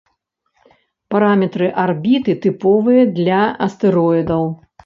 Параметры арбіты тыповыя для астэроідаў.